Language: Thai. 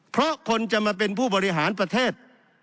เพราะคนจะมาเป็นผู้บริหารประเทศ